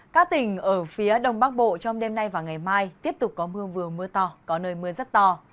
các tỉnh ở phía đông bắc bộ trong đêm nay và ngày mai tiếp tục có mưa vừa mưa to có nơi mưa rất to